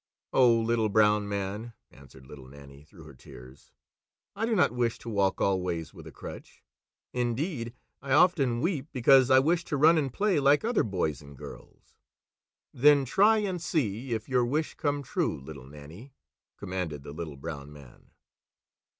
"Oh, Little Brown Man!" answered Little Nannie through her tears, "I do not wish to walk always with a crutch; indeed, I often weep because I wish to run and play like other boys and girls." "Then try and see if your wish come true, Little Nannie," commanded the Little Brown Man.